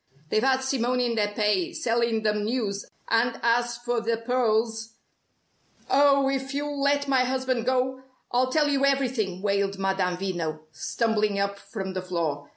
They've had Simone in their pay, selling them news, and as for the pearls " "Oh! if you'll let my husband go, I'll tell you everything!" wailed Madame Veno; stumbling up from the floor.